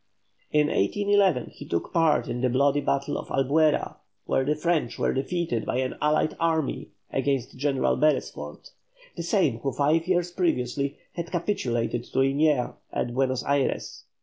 In 1811 he took part in the bloody battle of Albuera, where the French were defeated by an allied army under General Beresford, the same who five years previously had capitulated to Liniers at Buenos Ayres.